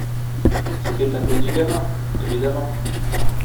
C’était à cause du gamin, évidemment.